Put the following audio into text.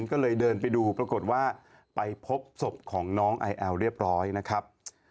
ก็เลยเดินไปดูปรากฏว่าไปพบศพของน้องไอแอลเรียบร้อยนะครับ